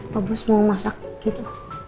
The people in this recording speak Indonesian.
pak bos mau masak gitu